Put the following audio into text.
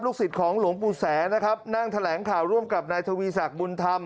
สิทธิ์ของหลวงปู่แสนะครับนั่งแถลงข่าวร่วมกับนายทวีศักดิ์บุญธรรม